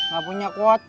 gak punya kuota